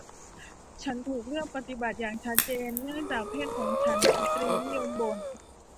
ฉันถูกเลือกปฏิบัติอย่างชัดเจนเนื่องจากเพศของฉันสตรีนิยมบ่น